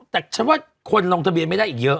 แต่ฉันว่าคนลงทะเบียนไม่ได้อีกเยอะ